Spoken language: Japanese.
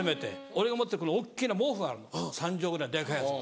俺が持ってる大っきな毛布あるの３畳ぐらいデカいやつ。